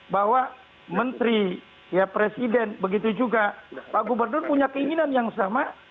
bahwa menteri presiden begitu juga pak gubernur punya keinginan yang sama